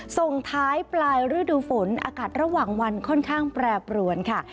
ส่งท้ายปลายฤดูฝนอากาศระหว่างวันค่อนข้างแปรปรวนค่ะ